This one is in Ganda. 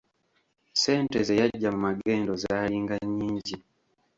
Ssente ze yagya mu magendo zaalinga nnyingi.